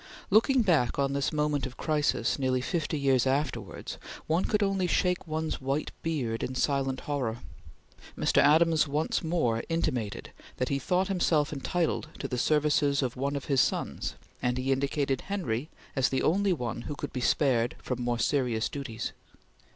Looking back on this moment of crisis, nearly fifty years afterwards, one could only shake one's white beard in silent horror. Mr. Adams once more intimated that he thought himself entitled to the services of one of his sons, and he indicated Henry as the only one who could be spared from more serious duties.